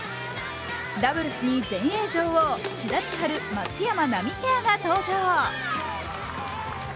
ダブルスに全英女王志田千陽・松山奈未ペアが登場。